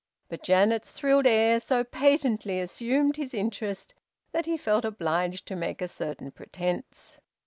But Janet's thrilled air so patently assumed his interest that he felt obliged to make a certain pretence.